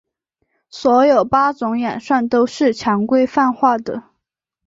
所有八种演算都是强规范化的。